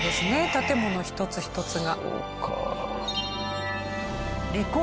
建物１つ１つが。